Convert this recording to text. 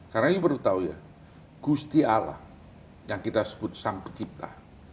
karena you perlu tahu ya gusti allah yang kita sebut sang pecipta